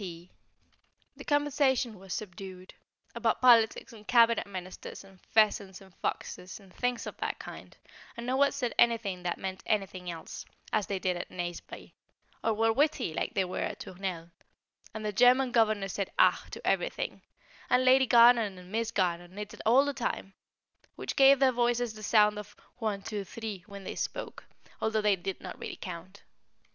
[Sidenote: A Modern Grandison] The conversation was subdued; about politics and Cabinet Ministers, and pheasants and foxes, and things of that kind, and no one said anything that meant anything else, as they did at Nazeby, or were witty like they were at Tournelle, and the German governess said "Ach" to everything, and Lady Garnons and Miss Garnons knitted all the time, which gave their voices the sound of "one two three" when they spoke, although they did not really count.